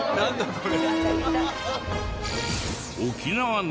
これ。